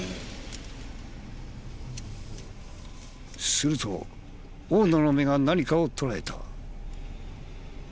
すると大野の目が何かを捉えた。